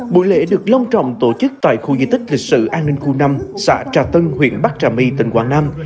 buổi lễ được long trọng tổ chức tại khu di tích lịch sử an ninh khu năm xã trà tân huyện bắc trà my tỉnh quảng nam